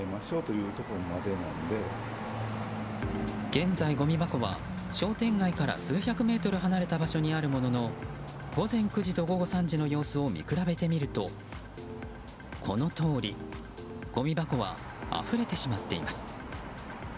現在、ごみ箱は商店街から数百メートル離れた場所にあるものの午前９時と午後３時の様子を見比べてみると、このとおりごみ箱はあふれてしまっています。